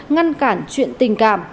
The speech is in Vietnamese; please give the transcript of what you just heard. ngăn cản chuyện tình cảm